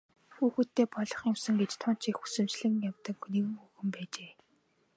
Хүүхэдтэй болох юмсан гэж тун ч их хүсэмжлэн явдаг нэгэн хүүхэн байжээ.